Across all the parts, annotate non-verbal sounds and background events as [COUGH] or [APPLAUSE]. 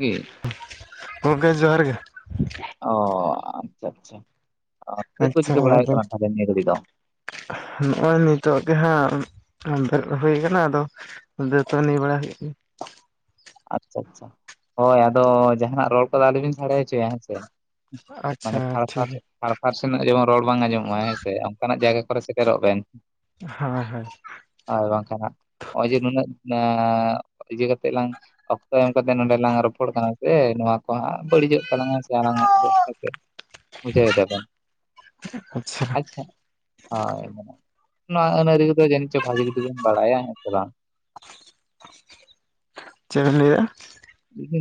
ᱜᱮ ᱜᱚᱢᱠᱮ ᱡᱚᱦᱟᱨ ᱜᱮ ᱚ ᱟᱪᱪᱷᱟ ᱟᱪᱪᱷᱟ ᱪᱮᱫ ᱠᱚ ᱟᱪᱪᱷᱟ ᱪᱤᱠᱟᱹ ᱵᱟᱲᱟᱭ ᱦᱩᱭᱩᱜ ᱟᱫᱚ ᱠᱟᱱᱟ ᱛᱟᱦᱟᱞᱮ ᱱᱤᱭᱟᱹ ᱜᱷᱟᱹᱲᱤ ᱫᱚ? ᱱᱚᱜᱼᱚᱭ ᱱᱤᱛᱚᱜ ᱜᱮ ᱦᱟᱹᱜ ᱵᱮᱨᱮᱫ ᱦᱩᱭ ᱟᱠᱟᱱᱟ ᱟᱫᱚ ᱫᱟᱛᱟᱱᱤ ᱵᱟᱲᱟ ᱦᱩᱭᱩᱜ ᱠᱟᱱᱟ ᱟᱪᱪᱷᱟ ᱟᱪᱪᱷᱟ ᱦᱳᱭ ᱟᱫᱚ ᱡᱟᱦᱟᱱᱟᱜ ᱨᱚᱲ ᱠᱚᱫᱚ ᱟᱞᱚᱵᱤᱱ ᱥᱟᱰᱮ ᱦᱚᱪᱚᱭᱟ ᱦᱮᱸ ᱥᱮ ᱢᱟᱱᱮ ᱟᱪᱪᱷᱟ ᱴᱷᱤᱠ ᱜᱮᱭᱟ ᱦᱟᱨᱯᱷᱟᱨ ᱥᱮᱱᱟᱜ ᱡᱮᱢᱚᱱ ᱨᱚᱲ ᱵᱟᱝ ᱟᱸᱡᱚᱢᱚᱜᱼᱟ ᱦᱮᱸ ᱥᱮ ᱚᱱᱠᱟᱱᱟᱜ ᱡᱟᱭᱜᱟ ᱠᱚᱨᱮ ᱥᱮᱴᱮᱨᱚᱜ ᱵᱮᱱ ᱦᱳᱭ ᱦᱳᱭ ᱟᱨᱠᱷᱟᱱ ᱦᱟᱹᱜ ᱱᱚᱜᱼᱚᱭ ᱡᱮ ᱱᱩᱱᱟᱹᱜ ᱤᱭᱟᱹ ᱠᱟᱛᱮᱜ ᱞᱟᱝ ᱚᱠᱛᱚ ᱮᱢ ᱠᱟᱛᱮ ᱱᱚᱰᱮ ᱞᱟᱝ ᱨᱚᱯᱚᱲ ᱠᱟᱱᱟ ᱥᱮ ᱱᱚᱣᱟ ᱠᱚ ᱦᱟᱸᱜ ᱵᱟᱹᱲᱤᱡᱚᱜ ᱛᱟᱞᱟᱝᱟ ᱥᱮ ᱟᱞᱟᱝᱟ ᱵᱩᱡᱷᱟᱹᱣ ᱫᱟᱵᱤᱱ᱾ᱟᱪᱪᱷᱟ ᱟᱪᱪᱷᱟ ᱦᱳᱭ, ᱱᱚᱣᱟ ᱟᱹᱱ ᱟᱹᱨᱤ ᱠᱚᱫᱚ ᱡᱟᱹᱱᱤᱡ ᱪᱚ ᱵᱷᱟᱹᱜᱤ ᱡᱩᱫ ᱵᱤᱱ ᱵᱟᱲᱟᱭᱟ ᱦᱮᱸ ᱥᱮ ᱵᱟᱝ ᱪᱮᱫ ᱵᱤᱱ ᱞᱟᱹᱭᱼᱮᱟ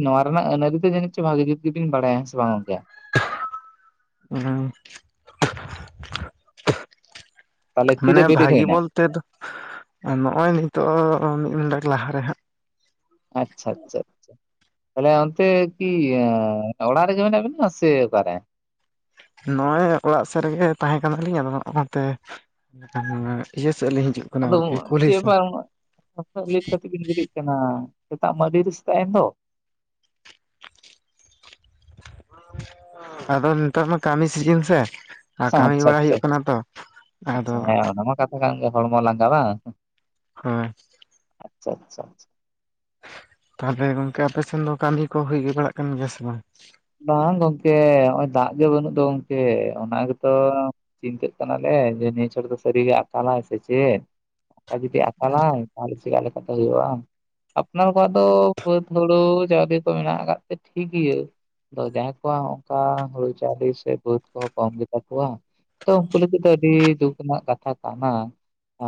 ᱱᱚᱣᱟ ᱨᱮᱱᱟᱜ ᱟᱹᱱ ᱟᱹᱨᱤ ᱫᱚ ᱡᱟᱹᱱᱤᱡ ᱪᱚ ᱵᱷᱟᱜᱹᱤ ᱡᱩᱛ ᱜᱮᱵᱤᱱ ᱵᱟᱲᱟᱭᱟ ᱦᱮᱸ ᱥᱮ ᱵᱟᱝ ᱜᱚᱝᱠᱮ? [UNINTELLIGIBLE] ᱛᱟᱦᱚᱞᱮ ᱛᱤᱨᱮ ᱢᱟᱱᱮ ᱵᱮᱨᱮᱫ ᱵᱷᱟᱹᱜᱤ ᱦᱩᱭᱱᱟ? ᱵᱚᱞᱛᱮ ᱱᱚᱜᱼᱚᱭ ᱱᱤᱛᱚᱜ ᱢᱤᱫ ᱰᱚᱸᱰᱮᱠ ᱞᱟᱦᱟᱨᱮ ᱦᱟᱸᱜ ᱟᱪᱪᱷᱟ ᱟᱪᱪᱷᱟ ᱟᱪᱪᱷᱟ ᱛᱟᱦᱚᱞᱮ ᱚᱱᱛᱮ ᱠᱤ ᱚᱲᱟᱜ ᱨᱮᱜᱮ ᱢᱮᱱᱟᱜ ᱵᱮᱱᱟ ᱥᱮ ᱚᱠᱟᱨᱮ ᱱᱚᱜᱼᱚᱭ ᱚᱲᱟᱜ ᱥᱮᱫ ᱨᱮᱜᱮ ᱛᱟᱦᱮᱸ ᱠᱟᱱᱟᱞᱤᱧ ᱟᱫᱚ ᱱᱚᱜᱼᱚᱭ ᱱᱚᱛᱮ ᱵᱟᱠᱷᱟᱱ ᱚᱱᱟ ᱤᱭᱟᱹ ᱥᱮᱫ ᱞᱤᱧ ᱦᱤᱡᱩᱜ ᱠᱟᱱᱟ ᱟᱫᱚ ᱟᱨᱠᱤ ᱠᱩᱞᱦᱤ ᱪᱮᱫ ᱥᱮᱫ ᱵᱮᱯᱟᱨ ᱩᱱᱟᱹᱜ ᱞᱮᱴ ᱠᱟᱛᱮᱱ ᱠᱤᱱ ᱵᱤᱨᱤᱫ ᱠᱟᱱᱟ ᱥᱮᱛᱟᱜ ᱢᱟ ᱟᱹᱰᱤ ᱨᱮ ᱥᱮᱛᱟᱜ ᱮᱱ ᱫᱚ ᱟᱫᱚ ᱱᱮᱛᱟᱨ ᱢᱟ ᱠᱟᱢᱤ ᱥᱤᱡᱤᱱ ᱥᱮ ᱟ ᱟᱪᱪᱷᱟ ᱠᱟᱹᱢᱤ ᱵᱟᱲᱟ ᱟᱪᱪᱷᱟ ᱦᱩᱭᱩᱜ ᱠᱟᱱᱟ ᱛᱚ ᱟᱪᱪᱷᱟ ᱟᱫᱚᱼᱼ ᱦᱮᱸ ᱚᱱᱟ ᱢᱟ ᱠᱟᱛᱷᱟ ᱠᱟᱱ ᱜᱮ ᱦᱚᱲᱢᱚ ᱞᱟᱸᱜᱟ ᱵᱟᱝ ᱦᱚᱸ ᱟᱪᱪᱷᱟ ᱟᱪᱪᱷᱟ ᱟᱪᱪᱷᱟ ᱛᱟᱦᱚᱞᱮ ᱜᱚᱝᱠᱮ ᱟᱯᱮ ᱥᱮᱱ ᱫᱚ ᱠᱟᱹᱢᱤ ᱠᱚ ᱦᱩᱭᱜᱮ ᱵᱟᱲᱟᱜ ᱠᱟᱱ ᱜᱮᱭᱟ ᱥᱮ ᱵᱟᱝ ᱵᱟᱝ ᱜᱚᱝᱠᱮ ᱱᱚᱜᱼᱚᱭ ᱫᱟᱜ ᱜᱮ ᱵᱟᱹᱱᱩᱜ ᱫᱚ ᱜᱚᱝᱠᱮ, ᱚᱱᱟ ᱜᱮᱛᱚᱼᱼ ᱪᱤᱱᱛᱟᱹᱜ ᱠᱟᱱᱟᱞᱮ ᱡᱮ ᱱᱤᱭᱟᱹᱪᱷᱚᱴ ᱫᱚ ᱥᱟᱹᱨᱤᱜᱮ ᱟᱠᱟᱞᱟᱭ ᱥᱮ ᱪᱮᱫ ᱾ ᱟ ᱡᱩᱫᱤ ᱟᱠᱟᱞᱟᱭ ᱛᱟᱦᱚᱞᱮ ᱪᱮᱫ ᱟᱞᱮ ᱥᱮᱫ ᱫᱚ ᱦᱩᱭᱩᱜᱼᱟ ᱾ ᱟᱯᱱᱟᱨ ᱠᱚᱣᱟᱜ ᱫᱚ ᱵᱟᱹᱫᱽ ᱦᱩᱲᱩ ᱪᱟᱣᱞᱮ ᱠᱚ ᱢᱮᱱᱟᱜ ᱟᱠᱟᱫ ᱛᱮ ᱴᱷᱤᱜ ᱜᱤᱭᱟᱹ ᱾ ᱫᱚ ᱡᱟᱦᱟᱸᱭ ᱠᱚᱣᱟᱜ ᱚᱝᱠᱟ ᱦᱩᱲᱩ ᱪᱟᱣᱞᱮ ᱥᱮ ᱵᱟᱹᱫᱽ ᱠᱚᱦᱚᱸ ᱠᱚᱢ ᱜᱮ ᱛᱟᱠᱚᱣᱟ ᱾ ᱛᱚ ᱩᱱᱠᱩ ᱞᱟᱹᱜᱤᱫ ᱫᱚ ᱟᱹᱰᱤ ᱫᱩᱠᱷ ᱨᱮᱱᱟᱜ ᱠᱟᱛᱷᱟ ᱠᱟᱱᱟ᱾ ᱟ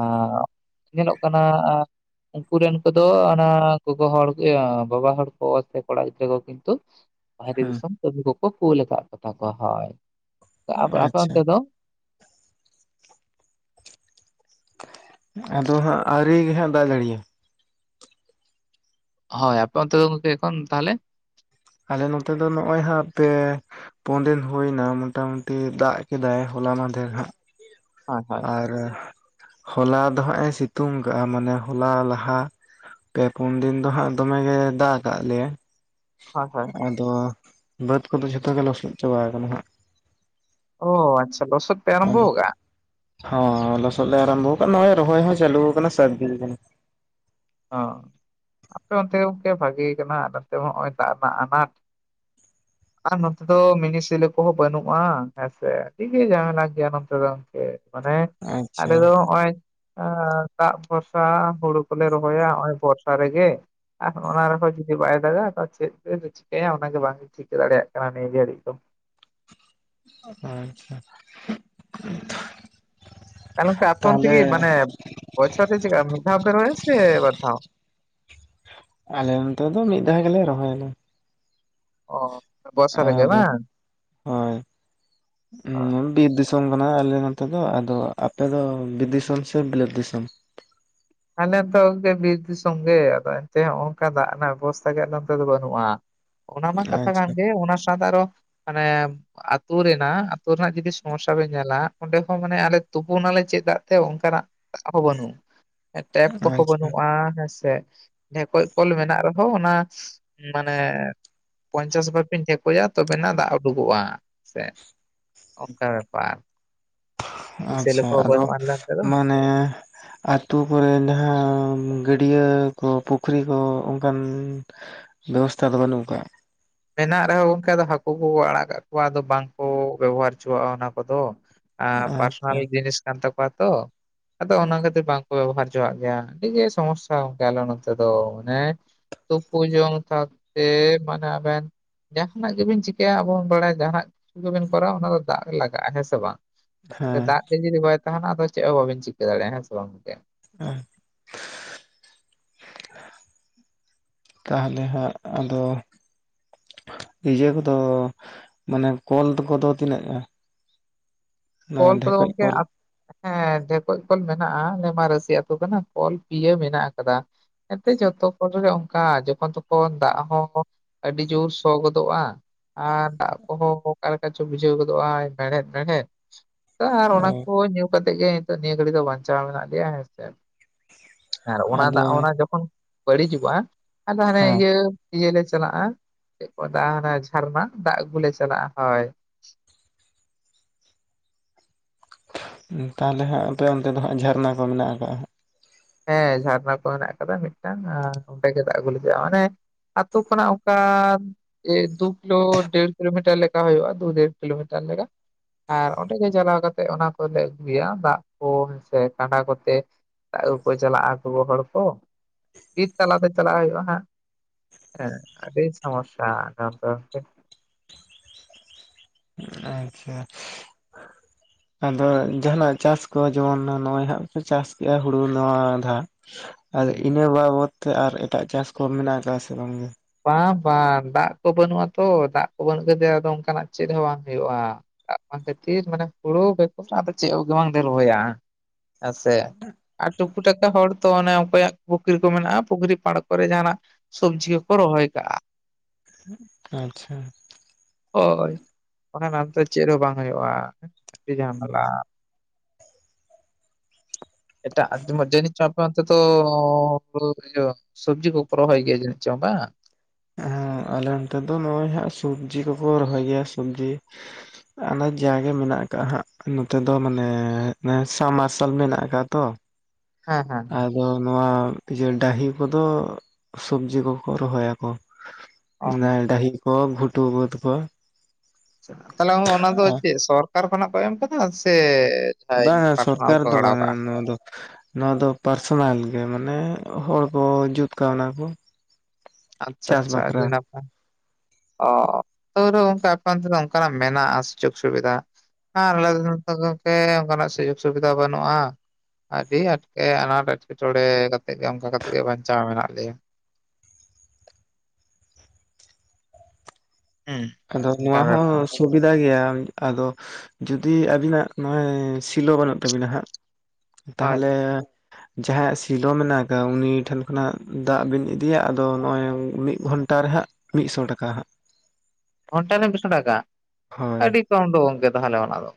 ᱧᱮᱞᱚᱜ ᱠᱟᱱᱟ ᱟᱨᱼᱼ ᱩᱝᱠᱩ ᱨᱮᱱ ᱠᱚᱫᱚ ᱟᱱᱟ ᱜᱚᱜᱚ ᱦᱚᱲᱜᱮ, ᱤᱭᱟᱹ ᱵᱟᱵᱟ ᱦᱚᱲ ᱠᱚ ᱥᱮ ᱠᱚᱲᱟ ᱜᱤᱫᱽᱨᱟᱹ ᱠᱚ ᱠᱤᱱᱛᱩᱼᱼ ᱵᱟᱦᱨᱮ ᱦᱮᱸ ᱫᱤᱥᱚᱢ ᱠᱟᱹᱢᱤ ᱠᱚᱠᱚ ᱠᱩᱞ ᱠᱟᱜ ᱠᱚᱛᱟ ᱠᱚᱣᱟ ᱦᱚᱭ, ᱟᱯᱮ ᱟᱯᱮ ᱟᱪᱪᱷᱟ ᱚᱱᱛᱮ ᱫᱚ? ᱟᱫᱚ ᱦᱟᱸᱜ ᱟᱹᱣᱨᱤ ᱜᱮ ᱦᱟᱸᱜ ᱫᱟᱜ ᱡᱟᱹᱲᱤᱭᱟ ᱦᱚᱭ ᱟᱯᱮ ᱚᱱᱛᱮ ᱫᱚ ᱜᱚᱝᱠᱮ ᱮᱠᱷᱚᱱ ᱛᱟᱦᱚᱞᱮᱼᱼ ᱟᱞᱮ ᱱᱚᱛᱮ ᱫᱚ ᱱᱚᱜᱼᱚᱭ ᱦᱟᱯᱮᱼᱼ ᱯᱩᱱ ᱫᱤᱱ ᱦᱩᱭ ᱮᱱᱟ ᱢᱚᱴᱟᱢᱚᱴᱤ ᱫᱟᱜ ᱠᱮᱫᱟᱭ ᱦᱚᱞᱟ ᱢᱟᱦᱫᱷᱮᱨ ᱦᱟᱸᱜᱼᱼ [UNINTELLIGIBLE] ᱟᱨ ᱦᱚᱞᱟ ᱫᱚ ᱦᱟᱸᱜ ᱮ ᱥᱤᱛᱩᱝ ᱠᱟᱜᱼᱟ। ᱢᱟᱱᱮ ᱦᱚᱞᱟ ᱞᱟᱦᱟ ᱯᱮ ᱯᱩᱱ ᱫᱤᱱ ᱫᱚ ᱦᱟᱸᱜ ᱫᱚᱢᱮ ᱜᱮ ᱫᱟᱜ ᱠᱟᱜ ᱞᱮᱭᱟ। ᱦᱳᱭ ᱦᱳᱭ ᱟᱫᱚ ᱵᱟᱹᱫᱽ ᱠᱚᱫᱚ ᱡᱷᱚᱛᱚ ᱜᱮ ᱞᱚᱥᱚᱫ ᱪᱟᱵᱟ ᱠᱟᱱᱟ ᱦᱟᱸᱜ। ᱚ ᱟᱪᱪᱷᱟ ᱞᱚᱥᱚᱥᱚᱫ ᱯᱮ ᱟᱨᱚᱢᱵᱷᱚ ᱟᱫᱚ ᱠᱟᱜᱼᱟ? ᱦᱚᱸ ᱞᱚᱥᱚᱫ ᱞᱮ ᱟᱨᱟᱢᱵᱷᱚ ᱠᱟᱜᱼᱟ᱾ ᱱᱚᱜ ᱚᱭ ᱨᱚᱦᱚᱭ ᱦᱚᱸ ᱪᱟᱹᱞᱩ ᱟᱠᱟᱱᱟ ᱥᱟᱛ ᱫᱤᱱ ᱜᱟᱱ ᱚ, ᱟᱯᱮ ᱚᱱᱛᱮ ᱜᱚᱢᱠᱮ ᱵᱷᱟᱜᱮ ᱠᱟᱱᱟ। ᱟᱞᱮ ᱱᱚᱛᱮ ᱢᱟ ᱱᱚᱜᱼᱚᱭ ᱫᱟᱜ ᱨᱮᱱᱟᱜ ᱟᱱᱟᱴ। [INAUDIBLE] ᱟᱨ ᱱᱚᱛᱮ ᱫᱚ ᱢᱤᱱᱤᱥᱤᱞᱳ ᱠᱚᱦᱚᱸ ᱵᱟᱹᱱᱩᱜᱼᱟ ᱦᱮᱸᱥᱮ ᱟᱰᱤ ᱜᱮ ᱡᱟᱢᱮᱞᱟ ᱜᱮᱭᱟ ᱱᱚᱛᱮ ᱫᱚ ᱾ ᱢᱟᱱᱮ ᱟᱪᱪᱷᱟ ᱟᱞᱮ ᱫᱚ ᱱᱚᱜ-ᱚᱭ ᱫᱟᱜ ᱵᱷᱚᱨᱥᱟ ᱦᱩᱲᱩ ᱠᱚᱞᱮ ᱨᱚᱦᱚᱭ ᱦᱳᱭᱟ-ᱚᱭ ᱵᱚᱨᱥᱟ ᱨᱮᱜᱮ᱾ ᱟᱨᱦᱚᱸ, ᱚᱱᱟ ᱨᱮᱦᱚᱸ, ᱡᱩᱫᱤ ᱵᱟᱭ ᱫᱟᱜᱟ, ᱛᱚ ᱪᱮᱫ? ᱠᱚ ᱛᱮᱫ ᱠᱚ ᱪᱤᱠᱟᱭᱟ, ᱚᱱᱟᱜᱮ ᱵᱟᱝ ᱪᱤᱠᱟᱹ ᱫᱟᱲᱮᱭᱟᱜ ᱠᱟᱱᱟ ᱱᱤᱡᱮᱨᱮ ᱰᱤᱚᱢ᱾ ᱟᱪᱪᱷᱟ᱾ ᱛᱟᱦᱚᱞᱮ ᱟᱯᱮ ᱛᱟᱦᱚᱞᱮ ᱚᱱᱛᱮᱜᱤ ᱢᱟᱱᱮ ᱵᱚᱪᱷᱨᱮ ᱪᱮᱠᱟ ᱢᱤᱫ ᱫᱷᱟᱣ ᱯᱮ ᱨᱚᱦᱚᱭ ᱥᱮ ᱵᱟᱫᱷᱟᱣ? ᱟᱞᱮ ᱱᱚᱱᱛᱮ ᱫᱚ ᱢᱤᱫ ᱫᱷᱟᱣ ᱜᱮᱞᱮ ᱨᱚᱦᱚᱞᱮ᱾ ᱚ ᱵᱚᱨᱥᱟ ᱨᱮ ᱜᱮ ᱵᱟᱝ [INAUDIBLE] ᱚ ᱦᱩᱸᱻ ᱵᱤᱨ ᱫᱤᱥᱚᱢ ᱠᱟᱱᱟ ᱟᱞᱮ ᱱᱚᱛᱮ ᱫᱚ। ᱟᱫᱚ ᱟᱯᱮᱫᱚ ᱵᱤᱨ ᱫᱤᱥᱚᱢ ᱥᱮ ᱵᱤᱞᱟᱹᱛ ᱫᱤᱥᱚᱢ? ᱟᱞᱮ ᱛᱚ ᱚᱱᱛᱮ ᱵᱤᱨ ᱫᱤᱥᱚᱢᱜ ᱜᱮ। ᱟᱫᱚ ᱮᱱᱛᱮ ᱦᱚᱸ ᱱᱚᱝᱠᱟ ᱫᱟᱜ ᱨᱮᱱᱟᱜ ᱚᱵᱚᱥᱛᱷᱟ ᱜᱮ ᱱᱚᱛᱮ ᱫᱚ ᱵᱟᱹᱱᱩᱜᱼᱟ। ᱚᱱᱟ ᱢᱟ, ᱠᱟᱛᱷᱟ ᱠᱟᱱ ᱟᱪᱪᱷᱟ ᱜᱮ, ᱚᱱᱟ ᱥᱟᱣᱛᱮ ᱟᱨᱚ, ᱢᱟᱱᱮ ᱟᱹᱛᱩ ᱨᱮᱱᱟᱜ, ᱟᱹᱛᱩ ᱨᱮᱱᱟᱜ ᱡᱩᱫᱤ, ᱥᱚᱢᱚᱥᱟ ᱵᱮᱱ ᱧᱮᱞᱟ, ᱚᱸᱰᱮ ᱦᱚᱸ, ᱢᱟᱱᱮ, ᱟᱞᱮ ᱛᱩᱯᱩᱱᱟᱞᱮ ᱪᱮᱫ ᱫᱟᱜ ᱛᱮ, ᱚᱱᱠᱟᱱᱟᱜ ᱟᱯᱟᱼᱚ ᱵᱟᱱᱩᱜ ᱴᱮᱯ ᱠᱚᱦᱚᱸ ᱟᱪᱪᱷᱟ ᱵᱟᱹᱱᱩᱜ-ᱟ ᱦᱮᱸᱥᱮ, ᱰᱷᱮᱠᱚᱡ ᱠᱚᱞ ᱢᱮᱱᱟᱜ ᱨᱮᱦᱚᱸ ᱚᱱᱟ ᱢᱟᱱᱮ ᱯᱚᱧᱪᱟᱥ ᱵᱷᱟᱯᱮᱧ ᱴᱷᱮᱠᱚᱡᱭᱟ ᱛᱚᱵᱮᱱᱟᱜ ᱫᱟᱜ ᱩᱰᱩᱠᱚᱜ-ᱟ ᱥᱮ ᱚᱱᱠᱟ ᱵᱮᱯᱟᱨ ᱢᱤᱱᱤ ᱥᱮᱞᱚ ᱟᱪᱪᱷᱟ ᱠᱚᱦᱚᱸ ᱟᱫᱚ ᱵᱟᱹᱱᱩᱜᱼᱟ ᱟᱞᱮ ᱚᱱᱛᱮ ᱫᱚ ᱢᱟᱱᱮᱼᱼ ᱟᱛᱩ ᱠᱚᱨᱮ ᱡᱟᱦᱟᱸ ᱜᱟᱹᱰᱭᱟᱹ ᱠᱚ ᱯᱩᱠᱷᱨᱤ ᱠᱚ ᱚᱱᱠᱟᱱ ᱵᱮᱵᱚᱥᱛᱷᱟ ᱫᱚ ᱵᱟᱹᱱᱩᱜᱠᱟ᱾ ᱢᱮᱱᱟᱜ ᱨᱮᱦᱚᱸ ᱚᱱᱠᱟ ᱫᱚ ᱦᱟᱹᱠᱩ ᱠᱚ ᱟᱲᱟᱜ ᱠᱟᱜ ᱠᱚᱣᱟ ᱟᱫᱚ ᱵᱟᱝ ᱠᱚ ᱵᱮᱵᱚᱦᱟᱨ ᱦᱚᱪᱚᱣᱟᱜᱼᱟ ᱚᱱᱟ ᱠᱚᱫᱚ ᱟᱸ ᱟᱪᱪᱷᱟ ᱯᱟᱨᱥᱚᱱᱟᱞ ᱡᱤᱱᱤᱥ ᱠᱟᱱ ᱛᱟᱠᱚᱣᱟ ᱛᱚ᱾ ᱟᱫᱚ ᱚᱱᱟ ᱠᱷᱟᱹᱛᱤᱨ ᱵᱟᱝᱠᱚ ᱵᱮᱵᱚᱦᱟᱨ ᱡᱚᱣᱟᱜ ᱜᱮᱭᱟ ᱟᱹᱰᱤ ᱜᱮ ᱥᱚᱢᱚᱥᱥᱟ ᱟᱞᱮ ᱱᱚᱛᱮ ᱫᱚ ᱢᱟᱱᱮ ᱛᱩᱯᱩ ᱡᱚᱝ ᱥᱟᱦᱟᱸ ᱛᱮ ᱢᱟᱱᱟ ᱡᱟᱦᱟᱸᱱᱟᱜ ᱜᱮᱵᱤᱱ ᱪᱤᱠᱟᱹᱭᱟ ᱟᱵᱚ ᱵᱚᱱ ᱵᱟᱲᱟᱭᱟ ᱡᱟᱦᱟᱸᱱᱟᱜ ᱦᱩ ᱫᱚᱵᱮᱱ ᱠᱚᱨᱟᱣᱟ ᱚᱱᱟ ᱫᱚ ᱫᱟᱜ ᱨᱮ ᱞᱟᱜᱟᱜᱼᱟ ᱦᱮᱸ ᱥᱮ ᱵᱟᱝ ᱦᱮᱸ ᱫᱟᱜ ᱜᱮ ᱡᱩᱫᱤ ᱵᱟᱭ ᱛᱟᱦᱮᱱᱟ ᱟᱫᱚ ᱪᱮᱫ ᱦᱚᱸ ᱵᱟᱵᱤᱱ ᱪᱤᱠᱟᱹ ᱫᱟᱲᱮᱭᱟᱜᱼᱟ ᱦᱮᱸ ᱥᱮ ᱵᱟᱝ ᱜᱚᱝᱠᱮ ᱚ ᱛᱟᱦᱚᱞᱮ ᱦᱟᱸᱜ ᱟᱫᱚᱼᱼ ᱤᱭᱟᱹ ᱠᱚᱫᱚ ᱢᱟᱱᱮ ᱠᱚᱞ ᱠᱚᱫᱚ ᱛᱤᱱᱟᱹᱜ ᱮᱸ ᱠᱚᱞ ᱠᱚᱫᱚ ᱜᱚᱢᱠᱮ ᱠᱚᱞ [INAUDIBLE] ᱦᱮᱸ ᱰᱷᱮᱠᱚᱡ ᱠᱚᱞ ᱢᱮᱱᱟᱜᱼᱟ ᱟᱞᱮ ᱢᱟ ᱨᱟᱹᱥᱤ ᱟᱹᱛᱩ ᱠᱟᱱᱟ ᱠᱚᱞ ᱯᱤᱭᱹ ᱢᱮᱱᱟᱜ ᱟᱠᱟᱫᱟ᱾ ᱮᱱᱛᱮ ᱡᱚᱛᱚ ᱠᱚᱨᱮ ᱜᱮ ᱚᱱᱠᱟ ᱡᱚᱠᱷᱚᱱ ᱛᱚᱠᱷᱚᱱ ᱫᱟᱜ ᱦᱚᱸ ᱟᱹᱰᱤ ᱡᱚᱨ ᱥᱚ ᱜᱚᱫᱚᱜᱼᱟ᱾ ᱟᱨ ᱫᱟᱜ ᱠᱚᱦᱚᱸ ᱚᱠᱟ ᱞᱮᱠᱟ ᱪᱚ ᱵᱩᱡᱷᱟᱹᱣ ᱜᱚᱫᱚᱜᱼᱟ ᱢᱮᱲᱦᱮᱫ ᱢᱮᱲᱦᱮᱫ ᱟᱨ ᱚ ᱚᱱᱟ ᱠᱚ ᱧᱩ ᱠᱟᱛᱮᱫ ᱜᱮ ᱱᱤᱛᱚᱜ ᱱᱤᱭᱟᱹ ᱜᱷᱟᱹᱲᱤ ᱫᱚ ᱵᱟᱧᱪᱟᱣ ᱢᱮᱱᱟᱜ ᱞᱮᱭᱟ ᱦᱮᱸᱥᱮ ᱟᱨ ᱚᱱᱟ ᱟᱫᱚ ᱫᱟᱜ ᱚᱱᱟ ᱡᱚᱠᱷᱚᱱ ᱵᱟᱹᱲᱤᱡᱚᱜᱼᱟ ᱟᱫᱚ ᱦᱟᱱᱮ ᱦᱮᱸ ᱤᱭᱟᱹᱼᱼ ᱤᱭᱟᱹ ᱞᱮ ᱪᱟᱞᱟᱜᱼᱟ ᱪᱮᱫ ᱫᱟᱜ ᱡᱷᱟᱨᱱᱟ ᱫᱟᱜ ᱟᱹᱜᱩᱞᱮ ᱪᱟᱞᱟᱜᱼᱟ ᱦᱳᱭ ᱛᱟᱦᱚᱞᱮ ᱦᱟᱸᱜ ᱟᱯᱮ ᱚᱱᱛᱮ ᱫᱚ ᱦᱟᱸᱜ ᱡᱷᱟᱨᱱᱟ ᱠᱚ ᱢᱮᱱᱟᱜ ᱟᱠᱟᱟᱜᱼᱟ? ᱦᱮᱸ ᱡᱷᱟᱨᱱᱟ ᱠᱚ ᱢᱮᱱᱟᱜ ᱟᱠᱟᱫᱟ ᱢᱤᱫᱴᱟᱝ ᱚᱸᱰᱮ ᱜᱮ ᱫᱟᱜ ᱜᱩᱞᱤᱡᱼᱟ ᱢᱟᱱᱮᱼᱼ ᱛᱳ ᱠᱷᱚᱱᱟᱜ ᱚᱠᱟᱼᱼ ᱮ ᱫᱩ ᱠᱤᱞᱳ ᱰᱮᱲ ᱠᱤᱞᱳᱢᱤᱴᱟᱨ ᱞᱮᱠᱟ ᱦᱩᱭᱩᱜᱼᱟ ᱫᱩ ᱰᱮᱲ ᱠᱤᱞᱳᱢᱤᱴᱟᱨ ᱞᱮᱠᱟ᱾ ᱟᱨ ᱚᱸᱰᱮ ᱜᱮ ᱪᱟᱞᱟᱣ ᱠᱟᱛᱮᱜ ᱚᱱᱟ ᱠᱚᱞᱮ ᱟᱹᱜᱩᱭᱟ ᱫᱟᱜ ᱠᱚ ᱥᱮ ᱠᱟᱸᱰᱟ ᱠᱚᱛᱮ ᱜᱩ ᱠᱚ ᱪᱟᱞᱟᱜᱼᱟ ᱜᱚᱜᱚ ᱦᱚᱲ ᱠᱚ ᱵᱤᱨᱤᱛ ᱛᱟᱞᱟᱛᱮ ᱪᱟᱞᱟᱜ ᱦᱩᱭᱩᱜᱼᱟ ᱦᱟᱸᱜ᱾ ᱦᱮᱸ ᱟᱰᱤ ᱥᱚᱢᱚᱥᱥᱟ ᱟᱪᱪᱷᱟ᱾ ᱟᱫᱚ ᱡᱟᱦᱟᱱᱟᱜ ᱪᱟᱥᱠᱩ ᱡᱮᱢᱚᱱ ᱱᱚᱜᱼᱚᱭ ᱦᱟᱸᱜ ᱯᱮ ᱪᱟᱥ ᱠᱮᱜᱼᱟ ᱦᱩᱲᱩ ᱱᱚᱣᱟ ᱫᱟᱜ ᱟᱫᱚ ᱤᱱᱟᱹ ᱵᱟᱵᱚᱛ ᱛᱮ ᱟᱨ ᱮᱴᱟᱜ ᱪᱟᱥ ᱠᱚ ᱢᱮᱱᱟᱜ ᱟᱠᱟᱫᱟ ᱥᱮ ᱵᱟᱝᱜᱮ ᱵᱟᱝ ᱵᱟᱝ ᱫᱟᱜ ᱠᱚ ᱵᱟᱹᱱᱩᱜᱼᱟᱛᱚ ᱫᱟᱜ ᱠᱚ ᱵᱟᱹᱱᱩᱜ ᱠᱷᱟᱡ ᱟᱫᱚ ᱚᱱᱠᱟᱱᱟᱜ ᱪᱮᱫ ᱦᱚᱸ ᱵᱟᱝ ᱦᱩᱭᱩᱜᱼᱟ ᱫᱟᱜ ᱵᱟᱝ ᱛᱮ ᱛᱷᱤᱨ ᱢᱟᱱᱮ ᱦᱩᱲᱩ ᱵᱮᱠᱚᱨ ᱟᱫᱚ ᱪᱮᱫ ᱦᱚᱸᱜ ᱵᱟᱝ ᱜᱮ ᱞᱮ ᱨᱚᱦᱚᱭᱟ᱾ ᱟᱪᱪᱮ ᱟᱨ ᱴᱩ [UNINTELLIGIBLE] ᱟᱛᱳ ᱛᱟᱞᱟ ᱦᱚᱲ ᱛᱚ ᱚᱱᱮ ᱚᱠᱚᱭᱟᱜ ᱯᱩᱠᱷᱨᱤ ᱠᱚ ᱢᱮᱱᱟᱜᱼᱟ ᱯᱩᱠᱷᱨᱤ ᱯᱟᱲ ᱠᱚᱨᱮ ᱡᱟᱦᱟᱱᱟᱜ ᱥᱚᱵᱽᱡᱤ ᱠᱚ ᱠᱚ ᱨᱚᱦᱚᱭ ᱠᱟᱜᱼᱟ ᱟᱪᱪᱷᱟ ᱦᱳᱭ ᱚᱱᱟᱛᱮ ᱪᱮᱫᱦᱚᱸ ᱵᱟᱝ ᱦᱩᱭᱩᱜᱼᱟ ᱟᱹᱰᱤ ᱡᱷᱟᱢᱮᱞᱟ ᱮᱴᱟ ᱟ ᱢᱚᱡᱮ ᱱ ᱪᱯᱛ ᱛᱚ ᱤᱭᱟᱹᱼᱼ ᱥᱚᱵᱽᱡᱤ ᱠᱚᱠᱚ ᱨᱚᱦᱚᱭ ᱜᱮᱭᱟ ᱡᱤᱱᱤᱡ ᱪᱚ ᱵᱟᱝ ᱦᱮᱸ ᱟᱞᱮ ᱚᱱᱛᱮ ᱫᱚ ᱱᱚᱜᱼᱚᱭ ᱦᱟᱸᱜ ᱥᱚᱵᱽᱡᱤ ᱠᱚᱠᱚ ᱨᱚᱦᱚᱭ ᱜᱮᱭᱟ ᱥᱚᱵᱽᱡᱤ ᱚᱱᱮ ᱡᱟ ᱜᱮ ᱢᱮᱱᱟᱜ ᱟᱠᱟᱜ ᱦᱟᱸᱜ ᱱᱚᱛᱮ ᱫᱚ ᱢᱟᱱᱮ ᱥᱟ ᱢᱟᱨᱟᱨᱥᱟᱞ ᱢᱮᱱᱟᱜ ᱟᱠᱟᱜ ᱛᱚ᱾ ᱦᱮᱸ ᱦᱮᱸ ᱦᱮᱸ ᱟᱫᱚ ᱱᱚᱣᱟ ᱤᱭᱟᱹ ᱰᱟᱹᱦᱤ ᱠᱚᱫᱚ ᱥᱚᱵᱽᱡᱤ ᱠᱚᱠᱚ ᱨᱚᱦᱚᱭᱟᱠᱚ᱾ ᱚ ᱱᱟ ᱰᱟᱹᱦᱤ ᱠᱚ ᱜᱷᱩᱴᱩ ᱵᱟᱹᱛ ᱠᱚ ᱛᱟᱦᱚᱞᱮ ᱚᱱᱟ ᱫᱚ ᱪᱮᱫ ᱥᱚᱨᱠᱟᱨ ᱠᱷᱚᱱᱟᱜ ᱠᱚ ᱮᱢ ᱠᱟᱫᱟ ᱥᱮᱼᱼ ᱵᱟᱝᱟ ᱥᱚᱨᱠᱟᱨ ᱫᱚ ᱵᱟᱝᱟ ᱱᱚᱣᱟ ᱫᱚᱼᱼ ᱱᱚᱣᱟ ᱫᱚ ᱯᱟᱨᱥᱚᱱᱟᱞ ᱜᱮ ᱢᱟᱱᱮ ᱦᱚᱲ ᱠᱚ ᱡᱩᱛ ᱠᱟᱣᱱᱟ ᱠᱚ ᱟᱪᱪᱷᱟ ᱪᱟᱥ ᱟᱪᱪᱷᱟ ᱟᱹᱰᱤ ᱵᱟᱠᱷᱨᱟ ᱱᱟᱯᱟᱭ ᱚ ᱛᱟᱣ ᱨᱮ ᱚᱱᱠᱟ ᱟᱯᱮ ᱚᱱᱛᱚᱮ ᱚᱱᱠᱟᱱᱟᱜ ᱢᱮᱱᱟᱜᱼᱟ ᱥᱩᱡᱳᱜᱽ ᱥᱩᱵᱤᱫᱷᱟ ᱦᱮ ᱟᱞᱮ ᱫᱚ ᱱᱚ ᱜᱚᱢᱠᱮ ᱚᱱᱠᱟᱱᱟᱜ ᱥᱩᱡᱳᱜᱽ ᱥᱩᱵᱤᱫᱷᱟ ᱵᱟᱹᱱᱩᱜᱼᱟ ᱟᱹᱰᱤ ᱟᱸᱴᱠᱮ ᱟᱱᱟᱴ ᱮᱴᱠᱮᱴᱚᱬᱮ ᱠᱟᱛᱮ ᱜᱮ ᱚᱱᱠᱟ ᱠᱟᱛᱮ ᱜᱮ ᱵᱟᱧᱪᱟᱣ ᱢᱮᱱᱟᱜ ᱞᱮᱭᱟ ᱦᱩᱸ ᱟᱫᱚ ᱱᱚᱣᱟ ᱦᱚᱸ ᱵᱮᱯᱟᱨ ᱥᱩᱵᱤᱫᱟ ᱜᱮᱭᱟ ᱟᱫᱚ ᱡᱩᱫᱤ ᱟᱵᱤᱱᱟᱜ ᱱᱚᱜᱼᱚᱭ ᱥᱤᱞᱚ ᱵᱟᱹᱱᱩᱜ ᱛᱟᱵᱤᱱᱟ ᱦᱟᱸᱜ ᱦᱳᱭ ᱛᱟᱦᱚᱞᱮ ᱡᱟᱦᱟᱸᱭᱟᱜ ᱥᱤᱞᱚ ᱢᱮᱱᱟᱜ ᱟᱠᱟᱫ ᱩᱱᱤ ᱴᱷᱮᱱ ᱠᱷᱚᱱᱟᱜ ᱫᱟᱜ ᱵᱤᱱ ᱤᱫᱤᱭᱟ ᱟᱫᱚ ᱱᱚᱜ ᱚᱭ ᱢᱤᱫ ᱜᱷᱚᱱᱴᱟ ᱨᱮᱦᱟᱸ ᱢᱤᱫᱥᱚ ᱴᱟᱠᱟ ᱦᱟᱸᱜ ᱜᱷᱚᱱᱴᱟ ᱨᱮ ᱢᱤᱥᱥᱚ ᱴᱟᱠᱟ ᱦᱳᱭ ᱟᱹᱰᱤ ᱠᱚᱢ ᱫᱚ ᱜᱚᱢᱠᱮ ᱛᱟᱦᱚᱞᱮ ᱚᱱᱟ ᱫᱚ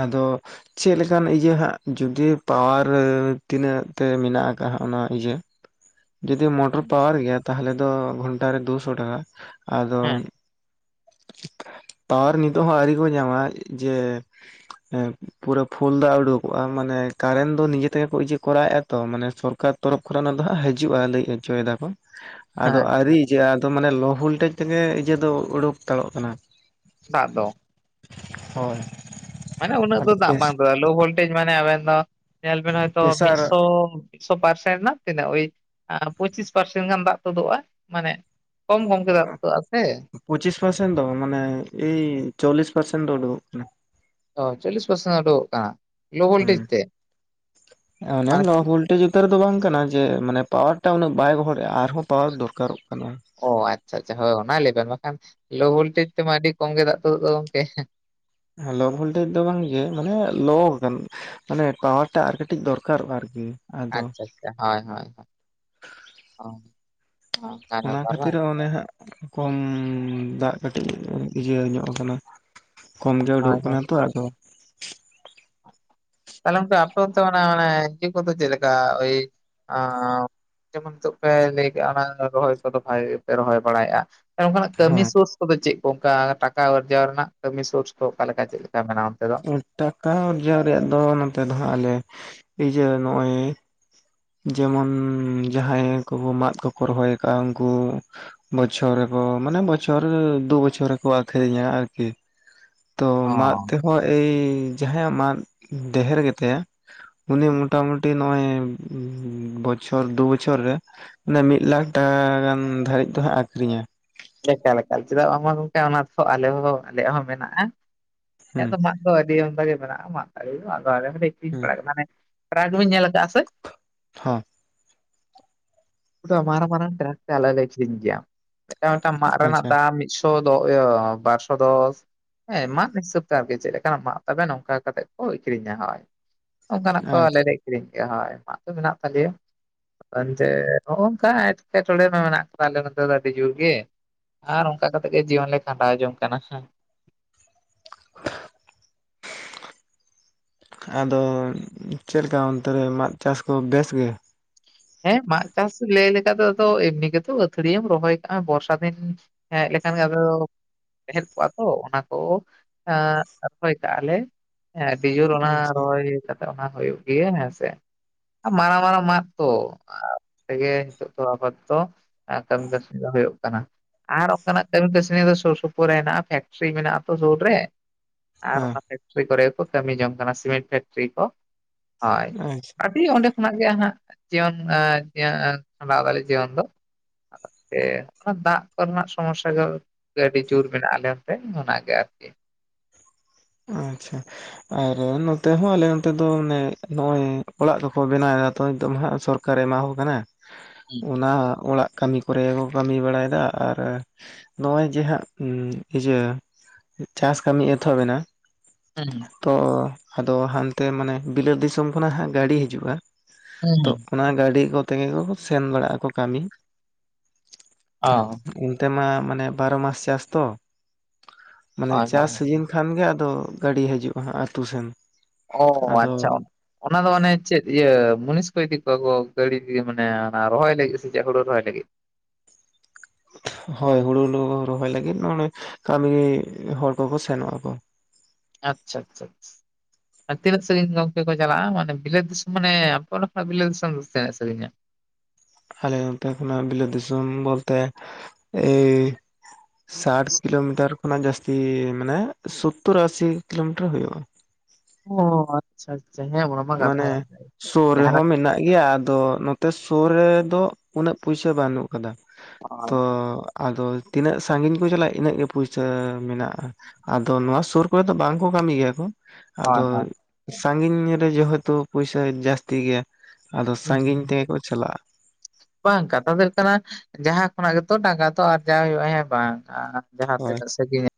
ᱟᱫᱚ ᱪᱮᱫ ᱞᱮᱠᱟᱱ ᱤᱭᱟᱹ ᱦᱟᱸᱜ ᱡᱩᱫᱤ ᱯᱟᱣᱟᱨ ᱛᱤᱱᱟᱹᱜ ᱛᱮ ᱢᱮᱱᱟᱜ ᱟᱠᱟᱜ ᱚᱱᱟ ᱤᱭᱟᱹ ᱡᱚᱫᱤ ᱢᱚᱴᱚᱨ ᱯᱟᱣᱟᱨ ᱜᱮᱭᱟ ᱛᱟᱦᱚᱞᱮ ᱫᱚ ᱜᱷᱚᱱᱴᱟᱨᱮ ᱫᱩᱥᱚ ᱴᱟᱠᱟ ᱟᱫᱚ ᱦᱮᱸ [INAUDIBLE] ᱯᱟᱣᱟᱨ ᱱᱤᱛᱚᱜ ᱦᱚᱸ ᱟᱹᱣᱨᱤ ᱠᱚ ᱧᱟᱢᱟ ᱡᱮ ᱯᱩᱨᱟᱹ ᱯᱷᱩᱞ ᱫᱟᱜ ᱩᱰᱩᱠᱚᱜᱼᱟ ᱢᱟᱱᱮ ᱠᱟᱨᱮᱱᱴ ᱫᱚ ᱱᱤᱡᱮ ᱛᱮᱜᱮᱠᱚ ᱤᱭᱟᱹ ᱠᱚᱨᱟᱣ ᱮᱼᱟ ᱛᱚ ᱢᱟᱱᱮ ᱥᱚᱨᱠᱟᱨ ᱛᱚᱨᱚᱯᱷ ᱠᱷᱨᱮᱱᱟᱜ ᱫᱚ ᱦᱟᱜ ᱦᱤᱡᱩᱜ ᱦᱤᱡᱩᱜᱼᱟ ᱞᱟᱹᱭ ᱦᱚᱪᱚᱭ ᱫᱟᱠᱚ ᱟᱫᱚ ᱟᱹ ᱟᱪᱪᱷᱟ ᱮᱫᱚ ᱢᱟᱱᱮ ᱞᱳ ᱵᱷᱞᱴᱮᱡᱽ ᱛᱮᱜᱮ ᱤᱭᱟᱹ ᱫᱚ ᱩᱰᱳᱠ ᱛᱟᱲᱚᱜ ᱠᱟᱱᱟ ᱫᱟᱜ ᱫᱚ ᱦᱳᱭ ᱢᱟᱱᱮ ᱩᱱᱟᱹᱜ ᱫᱚ ᱟᱫᱚ ᱫᱟᱜ ᱯᱮᱥ ᱵᱟᱝ ᱫᱩᱞᱼᱟ ᱞᱳ ᱵᱷᱳᱞᱴᱮᱡᱽ ᱢᱟᱱᱮ ᱟᱵᱮᱱ ᱫᱚ ᱧᱮᱞ ᱵᱮᱱ ᱦᱚᱭᱛᱳ ᱯᱮᱥᱟᱨ ᱢᱤᱫᱥᱚ ᱢᱤᱫᱥᱚ ᱯᱟᱨᱥᱮᱱ ᱨᱮᱱᱟᱜ ᱛᱤᱱᱟᱹᱜ ᱳᱭ ᱯᱚᱸᱪᱤᱥ ᱯᱟᱨᱥᱮᱱ ᱜᱟᱱ ᱫᱟᱜ ᱛᱩᱫᱩᱜᱼᱟ ᱢᱟᱱᱮ ᱠᱚᱢ ᱠᱚᱢ ᱜᱮ ᱫᱟᱢ ᱛᱚᱫᱳ ᱟᱥᱮ ᱯᱚᱪᱤᱥ ᱯᱟᱨᱥᱮᱱᱴ ᱫᱚ ᱢᱟᱱᱮ ᱮᱭ ᱪᱚᱞᱞᱤᱥ ᱯᱟᱨᱥᱮᱱᱴ ᱫᱚ ᱚᱪᱚ ᱠᱚᱜ ᱠᱟᱱᱟ ᱚ ᱪᱚᱞᱞᱤᱥ ᱯᱟᱨᱥᱮᱱᱴ ᱩᱰᱩᱠᱚᱜ ᱠᱟᱱᱟ ᱞᱳ ᱵᱷᱞᱴᱮᱡᱽ ᱛᱮ ᱚᱱᱮ ᱢᱟᱱᱮ ᱱᱚᱣᱟ ᱵᱷᱞᱴᱮᱡᱽ ᱩᱛᱟᱹᱨ ᱫᱚ ᱵᱟᱝ ᱠᱟᱱᱟ ᱡᱮ ᱢᱟᱱᱮ ᱯᱟᱣᱟᱨ ᱴᱟ ᱩᱱᱟᱹᱜ ᱵᱟᱭ ᱦᱚᱲ ᱟᱨᱦᱚᱸ ᱯᱟᱣᱟᱨ ᱫᱚᱨᱠᱟᱨᱚᱜ ᱠᱟᱱᱟ᱾ ᱚ ᱟᱪᱪᱷᱟ ᱟᱪᱪᱷᱟ ᱦᱳᱭ ᱚᱱᱟ ᱞᱵᱮᱱ ᱵᱟᱠᱷᱟᱱ ᱞᱳ ᱵᱷᱞᱴᱮᱡᱽ ᱛᱮᱢᱟ ᱟᱹᱰᱤ ᱠᱚᱢ ᱜᱮ ᱫᱟᱜ ᱛᱩᱫᱩᱜ ᱫᱚ ᱜᱚᱝᱠᱮ ᱞᱳ ᱵᱷᱞᱴᱮᱡᱽ ᱫᱚ ᱵᱟᱝᱜᱮ ᱢᱟᱱᱮ ᱞᱳ ᱜᱟᱱ ᱢᱟᱱᱮ ᱯᱟᱣᱟᱨ ᱴᱟ ᱟᱨ ᱠᱟᱹᱴᱤᱡ ᱫᱚᱨᱠᱟᱨᱚᱜᱼᱟ ᱟᱨᱠᱤ᱾ ᱟᱫᱚ ᱟᱪᱪᱷᱟ ᱟᱪᱪᱷᱟ ᱦᱳᱭ ᱦᱳᱭ [INAUDIBLE] ᱚᱱᱟ ᱵᱮᱯᱟᱨ ᱠᱷᱟᱹᱛᱤᱨ ᱵᱟᱝ ᱚᱱᱮ ᱦᱟᱸᱟᱜ ᱠᱚᱢ ᱫᱟᱜ ᱠᱟᱹᱴᱤᱡ ᱤᱭᱟᱹ ᱧᱚᱜ ᱠᱟᱱᱟ ᱠᱚᱢᱜᱮ ᱦᱳᱭ ᱩᱰᱩᱠᱚᱜ ᱦᱳᱭ ᱠᱟᱱᱟ ᱛᱚ ᱟᱫᱚ ᱛᱟᱦᱚᱞᱮ ᱩᱱᱠᱩ ᱟᱯᱮ ᱚᱱᱛᱮ ᱢᱟᱱᱮ ᱠᱚᱫᱚ ᱥᱤ ᱠᱚᱫᱚ ᱪᱮᱫ ᱞᱮᱠᱟ ᱡᱮᱢᱚᱱ ᱱᱤᱛᱚᱜ ᱯᱮ ᱞᱟᱹᱭ ᱠᱼᱟ ᱚᱱᱟ ᱨᱚᱦᱚᱭ ᱠᱚᱫᱚ ᱵᱷᱟᱜᱮ ᱯᱮ ᱨᱚᱦᱚᱭ ᱵᱟᱲᱟᱭᱮᱫᱼᱟ ᱚᱱᱠᱟᱱᱟᱜ ᱠᱟᱹᱢᱤ ᱦᱮᱸ ᱥᱳᱨᱥ ᱠᱚᱫᱚ ᱪᱮᱫ ᱠᱚ ᱚᱱᱠᱟ ᱴᱟᱠᱟ ᱟᱨᱡᱟᱣ ᱨᱮᱱᱟᱜ ᱠᱟᱹᱢᱤ ᱥᱳᱨᱥ ᱠᱚ ᱚᱠᱟᱮ ᱞᱮᱠᱟ ᱪᱮᱫ ᱞᱮᱠᱟ ᱢᱮᱱᱟᱜᱼᱟ ᱚᱱᱛᱮ ᱫᱚ ᱴᱟᱠᱟ ᱟᱨᱡᱟᱨ ᱨᱮᱭᱟᱜ ᱫᱚ ᱱᱚᱛᱮ ᱫᱚ ᱦᱟᱜ ᱟᱞᱮ ᱤᱭᱟᱹ ᱱᱚᱜᱼᱚᱭ ᱡᱮᱢᱚᱱ ᱡᱟᱦᱟᱸᱭ ᱠᱚ ᱢᱟᱫ ᱠᱚᱠᱚ ᱨᱚᱦᱚᱭ ᱟᱠᱟᱫ ᱩᱱᱠᱩ ᱵᱚᱪᱷᱚᱨ ᱨᱮᱠᱚ ᱢᱟᱱᱮ ᱵᱚᱪᱷᱚᱨ ᱫᱩ ᱵᱚᱪᱷᱚᱨ ᱨᱮᱠᱚ ᱟᱹᱠᱷᱨᱤᱧᱟ ᱟᱨᱠᱤ ᱛᱚ ᱚ ᱢᱟᱫ ᱛᱮᱦᱚᱸ ᱮᱭ ᱡᱟᱦᱟᱸᱭᱟᱜ ᱢᱟᱫ ᱰᱷᱮᱨ ᱜᱮᱛᱟᱭᱟ ᱩᱱᱤ ᱢᱚᱴᱟ ᱢᱩᱴᱤ ᱱᱚᱜᱭ ᱵᱚᱪᱷᱚᱨ ᱫᱩ ᱵᱚᱪᱷᱚᱨ ᱨᱮ ᱮ ᱢᱤᱫ ᱞᱟᱠᱷ ᱴᱟᱠᱟ ᱜᱟᱱ ᱫᱷᱟᱹᱨᱤᱡ ᱫᱚ ᱦᱟᱸᱜ ᱟᱠᱷᱨᱤᱧᱟ᱾ ᱪᱮᱠᱟᱞᱮᱠᱟ ᱪᱮᱫᱟᱜ ᱵᱟᱝᱢᱟ ᱜᱚᱝᱠᱮ ᱚᱱᱟ ᱫᱚ ᱟᱞᱮ ᱦᱚᱸ ᱟᱞᱮᱭᱟᱜ ᱦᱚᱸ ᱢᱮᱱᱟᱜᱼᱟ ᱟᱭᱟᱜ ᱦᱩᱸ ᱫᱚ ᱟᱫᱚ ᱟᱹᱰᱤ ᱚᱱ ᱜᱮ ᱢᱮᱱᱟᱜᱼᱟᱫᱚ ᱦᱩᱸ ᱯᱟᱲ ᱢᱟᱱᱮ ᱯᱧ ᱧᱮᱞ ᱟᱠᱟᱫᱟ ᱪᱟᱜ ᱥᱮ ᱦᱚᱸ ᱢᱟᱨᱟᱝ ᱢᱟᱨᱟᱝ ᱴᱨᱟᱠ ᱛᱮ ᱟᱞᱮᱞᱮ ᱥᱤᱝ ᱜᱮᱭᱟ᱾ ᱮᱴᱟᱜ ᱢᱤᱫᱴᱟᱝ ᱢᱟᱫ ᱨᱮᱱᱟᱜ ᱟᱪᱪᱷᱟ ᱫᱟᱢ ᱢᱤᱫᱥᱚ ᱤᱭᱟᱹ ᱵᱟᱨᱥᱚ ᱫᱚᱥ ᱦᱮᱸ ᱢᱟᱫ ᱦᱤᱥᱟᱹᱵ ᱛᱮ ᱟᱨᱠᱤ ᱪᱮᱫ ᱞᱮᱠᱟᱱᱟᱜ ᱢᱟᱜ ᱛᱟᱵᱮ ᱱᱚᱝᱠᱟ ᱠᱟᱛᱮᱜ ᱠᱚ ᱟᱠᱷᱨᱤᱧᱟ ᱦᱳ ᱚᱱᱠᱟᱱᱟᱜ ᱟᱪᱪᱷᱟ ᱠᱚᱞᱮᱱᱮᱡ ᱠᱤᱨᱤᱧ ᱠᱮᱫᱼᱟ ᱦᱳᱭ ᱟᱭᱢᱟᱛᱚ ᱢᱮᱱᱟᱜ ᱛᱟᱞᱮᱭᱟ ᱮᱱᱛᱮ ᱱᱚᱜ ᱱᱚᱝᱠᱟ ᱮᱴᱠᱮᱴᱚᱬᱮ ᱢᱟ ᱢᱮᱱᱟᱜ ᱠᱟᱫᱟ ᱟᱞᱮ ᱱᱚᱛ ᱫᱚ ᱟᱹᱰᱤ ᱡᱳᱨ ᱜᱮ ᱟᱨ ᱚᱱᱠᱟ ᱠᱟᱛᱮᱜ ᱜᱮ ᱡᱤᱭᱚᱱ ᱞᱮ ᱠᱷᱟᱸᱰᱟᱣ ᱡᱚᱝ ᱠᱟᱱᱟ [INAUDIBLE] ᱟᱫᱚ ᱪᱮᱫ ᱞᱮᱠᱟ ᱚᱱᱛᱮ ᱨᱮ ᱢᱟᱫ ᱪᱟᱥ ᱠᱚ ᱵᱮᱥ ᱜᱮ ᱦᱮᱸ ᱢᱟᱫ ᱪᱟᱥ ᱞᱟᱹᱭ ᱞᱮᱠᱟ ᱫᱚ ᱟ ᱮᱢᱱᱤ ᱜᱮᱛᱚ ᱟᱹᱛᱷᱲᱤᱢ ᱨᱚᱦᱚᱭ ᱠᱟᱜᱼᱟ ᱵᱚᱨᱥᱟ ᱫᱤᱱ ᱦᱮᱸ ᱞᱮᱠᱷᱟᱱ ᱜᱮ ᱟᱫᱚ ᱛᱟᱦᱮᱸ ᱠᱚᱜ-ᱟ ᱛᱚ ᱚᱱᱟ ᱠᱚ ᱟᱯᱷᱚᱭ ᱠᱟᱜ-ᱟ ᱞᱮ ᱦᱮᱸ ᱟᱹᱰᱤ ᱡᱳᱨ ᱚᱱᱟ ᱟᱪᱪᱷᱟ ᱦᱮᱸ ᱨᱚᱦᱚᱭ ᱠᱟᱛᱮ ᱚᱱᱟ ᱦᱩᱭᱩᱜ ᱜᱮᱭᱟ ᱦᱮᱸᱥᱮ ᱢᱟᱨᱟᱝ ᱢᱟᱨᱟᱝ ᱢᱟᱫ ᱛᱚ ᱛᱮᱜᱮ ᱱᱤᱛᱚᱜ ᱫᱚ ᱟᱵᱟ ᱫᱚ ᱠᱟᱹᱢᱤ ᱠᱟᱹᱥᱱᱤ ᱫᱚ ᱦᱩᱭᱩᱜ ᱠᱟᱱᱟ᱾ ᱟᱨ ᱚᱱᱠᱟᱱᱟᱜ ᱠᱟᱹᱢᱤ ᱠᱟᱹᱥᱱᱤ ᱫᱚ ᱥᱩᱨ ᱥᱩᱯᱩᱨ ᱨᱮ ᱦᱮᱱᱟᱜ-ᱟ ᱯᱷᱮᱠᱴᱨᱤ ᱢᱮᱱᱟᱜ-ᱟ ᱛᱚ ᱥᱩᱨ ᱨᱮ᱾ ᱟᱨ ᱚᱱᱟ ᱯᱷᱮᱠᱴᱨᱤ ᱠᱚᱨᱮ ᱠᱚ ᱠᱟᱹᱢᱤ ᱡᱚᱝ ᱠᱟᱱᱟ ᱥᱤᱢᱮᱱᱴ ᱯᱷᱮᱠᱴᱨᱤ ᱠᱚ ᱦᱳᱭ ᱟᱪᱪᱷᱟ ᱟᱹᱰᱤ ᱚᱸᱰᱮ ᱠᱷᱚᱱᱟᱜ ᱜᱮ ᱦᱟᱸᱜ ᱡᱤᱭᱚᱱ ᱟᱠ ᱡᱤᱵᱚᱱ ᱫᱚ ᱠᱷᱟᱰᱟᱣ ᱫᱟᱲᱮᱭᱟᱜ-ᱟ᱾ ᱟᱨ ᱚᱱᱟ ᱫᱟᱜ ᱠᱚᱨᱮᱱᱟᱜ ᱥᱚᱢᱚᱥᱥᱟ ᱫᱚ ᱟᱹᱰᱤ ᱡᱳᱨ ᱢᱮᱱᱟᱜ ᱟᱞᱮ ᱚᱱᱛᱮ ᱚᱱᱟᱜᱮ ᱟᱨᱠᱤ᱾ ᱟᱪᱪᱷᱟ ᱟᱨ ᱱᱚᱛᱮ ᱦᱚᱸ ᱟᱞᱮ ᱱᱚᱛ ᱫᱚ ᱱᱚ-ᱜᱚᱭ ᱚᱲᱟᱜ ᱠᱚᱠᱚ ᱵᱮᱱᱟᱣ ᱮᱫᱟ ᱛᱚ ᱱᱤᱛᱚᱜ ᱦᱟᱸᱜ ᱥᱚᱨ ᱥᱚᱨᱠᱟᱨ ᱮᱢᱟᱣᱟ ᱠᱚ ᱠᱟᱱᱟ ᱦᱩᱸ ᱚᱱᱟ ᱚᱲᱟᱜ ᱠᱟᱹᱢᱤ ᱠᱚᱨᱮ ᱠᱚ ᱠᱟᱹᱢᱤ ᱵᱟᱲᱟᱭᱮᱫᱟ ᱟᱨ ᱱᱚᱜ-ᱚᱭ ᱡᱮ ᱦᱟᱸᱜ ᱤᱭᱟᱹ ᱪᱟᱥ ᱠᱟᱹᱢᱤ ᱮᱛᱚᱦᱚᱵ ᱮᱱᱟ᱾ ᱦᱩᱸ ᱛᱚ ᱟᱫᱚ ᱦᱟᱱᱛᱮ ᱢᱟᱱᱮ ᱵᱤᱞᱟᱹᱛ ᱫᱤᱥᱚᱢ ᱠᱷᱚᱱᱟᱜ ᱦᱟᱸᱜ ᱜᱟᱹᱰᱤ ᱦᱤᱡᱩᱜ-ᱟ ᱦᱩᱸ, ᱛᱚ ᱦᱩᱸ, ᱚᱱᱟ ᱜᱟᱹᱰᱤ ᱠᱚᱛᱮᱜᱮ ᱥᱮᱱ ᱵᱟᱲᱟᱜ-ᱟ ᱠᱟᱹᱢᱤ ᱚ ᱚᱱᱛᱮᱢᱟ ᱢᱟᱱᱮ ᱵᱟᱨᱚ ᱢᱟᱥ ᱪᱟᱥ ᱛᱚ ᱢᱟᱱᱮ ᱦᱳᱭ ᱪᱟᱥ ᱦᱳᱭ ᱥᱤᱡᱤᱱ ᱠᱷᱟᱱᱜᱮ ᱫᱚ ᱜᱟᱹᱰᱤ ᱦᱤᱡᱩᱜ-ᱟ ᱦᱟᱸᱜ ᱟᱹᱛᱩ ᱥᱮᱱ ᱚ ᱟᱫᱚ ᱟᱪᱪᱷᱟ᱾ ᱚᱱᱟ ᱫᱚ ᱟᱱᱮ ᱪᱮᱫ ᱤᱭᱟᱹ ᱢᱩᱱᱤᱥ ᱠᱚ ᱤᱫᱤ ᱠᱚᱣᱟ ᱠᱚ ᱜᱟᱹᱲᱤ ᱢᱟᱱᱮ ᱚᱱᱟ ᱨᱚᱦᱚᱭ ᱞᱟᱹᱜᱤᱫ ᱥᱮ ᱪᱮᱫ ᱦᱩᱲᱩ ᱨᱚᱦᱚᱭ ᱞᱟᱹᱜᱤᱫ ᱦᱳᱭ ᱦᱩᱲᱩ ᱦᱩᱲᱩ ᱨᱚᱦᱚᱭ ᱞᱟᱹᱜᱤᱫ ᱢᱮ ᱠᱟᱹᱢᱤ ᱦᱚᱲ ᱠᱚᱠᱚ ᱥᱮᱱᱚᱜ-ᱟᱠᱚ ᱟᱪᱪᱷᱟ ᱟᱪᱪᱷᱟ ᱟᱪᱪᱷᱟ ᱟᱨ ᱛᱤᱱᱟᱹᱜ ᱥᱟᱺᱜᱤᱧ ᱜᱚᱝᱠᱮ ᱠᱚ ᱪᱟᱞᱟᱜᱼᱟ ᱢᱟᱱᱮ ᱵᱤᱞᱟᱹᱛ ᱫᱤᱥᱚᱢ ᱢᱟᱱᱮ ᱟᱯᱮ ᱠᱷᱱᱟᱜ ᱵᱤᱞᱟᱹᱛ ᱫᱤᱥᱚᱢ ᱫᱚ ᱛᱤᱱᱟᱹᱜ ᱥᱟᱺᱜᱤᱧᱟ ᱟᱞᱮ ᱱᱚᱛᱮ ᱠᱷᱚᱱᱟᱜ ᱵᱤᱞᱟᱹᱛ ᱫᱤᱥᱚᱢ ᱵᱚᱞᱛᱮ ᱮᱭ ᱥᱟᱴ ᱠᱤᱞᱳᱢᱤᱴᱟᱨ ᱠᱷᱚᱱᱟᱜ ᱡᱟᱹᱥᱛᱤ ᱢᱟᱱᱮ ᱥᱳᱛᱛᱳᱨ ᱟᱥᱤ ᱠᱤᱞᱳᱢᱤᱴᱟᱨ ᱦᱩᱭᱩᱜᱼᱟ ᱚ ᱟᱪᱪᱷᱟ ᱟᱪᱪᱷᱟ ᱦᱮᱸᱵᱟᱝ ᱢᱟᱱᱮ ᱥᱩᱨ ᱨᱮᱦᱚᱸ ᱢᱮᱱᱟᱜ ᱜᱮᱭᱟ ᱟᱫᱚ ᱥᱩᱨ ᱨᱮᱫᱚ ᱩᱱᱟᱹᱜ ᱯᱩᱭᱥᱟ ᱵᱟᱹᱱᱩᱜ ᱟᱠᱟᱫᱟ ᱛᱚ ᱦᱳᱭ ᱟᱫᱚ ᱛᱤᱱᱟᱹᱜ ᱥᱟᱺᱜᱤᱧ ᱠᱚ ᱪᱟᱞᱟᱜᱼᱟ ᱤᱱᱟᱹᱜ ᱜᱮ ᱯᱩᱭᱥᱟᱹ ᱢᱮᱱᱟᱜᱼᱟ ᱟᱫᱚ ᱱᱚᱣᱟ ᱥᱩᱨ ᱠᱚᱨᱮ ᱫᱚ ᱵᱟᱝᱠᱚ ᱠᱟᱹᱢᱤ ᱜᱮᱭᱟ ᱠᱚ ᱦᱳᱭ ᱟᱫᱚ ᱦᱳᱭ᱾ ᱥᱟᱺᱜᱤᱧ ᱨᱮ ᱡᱮᱦᱮᱛᱩ ᱯᱚᱭᱥᱟ ᱡᱟᱹᱟᱥᱛᱤ ᱜᱮᱭᱟᱵ ᱦᱩᱸ ᱵᱟᱝ ᱠᱟᱛᱷᱟ ᱫᱚ ᱦᱩᱭᱩᱜ ᱠᱟᱱᱟ ᱡᱟᱸᱦᱟ ᱠᱷᱚᱱᱟᱜ ᱜᱮ ᱛᱚ ᱴᱟᱠᱟ ᱛᱚ ᱟᱨᱡᱟᱣ ᱦᱩᱭᱩᱜᱼᱟ ᱦᱮᱸ ᱵᱟᱝ ᱡᱟᱸᱦᱟ ᱦᱳᱭ ᱛᱤᱱᱟᱹᱜ ᱥᱟᱜᱤᱧ